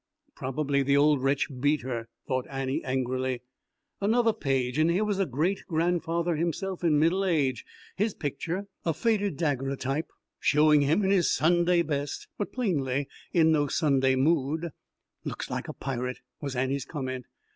"Probably the old wretch beat her," thought Annie angrily. Another page and here was great grandfather himself, in middle age, his picture a faded daguerreotype showing him in his Sunday best, but plainly in no Sunday mood. "Looks like a pirate," was Annie's comment.